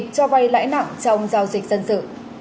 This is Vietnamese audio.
cho vay lãi nặng trong giao dịch dân sự